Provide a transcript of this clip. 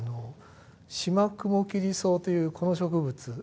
シマクボキリソウというこの植物。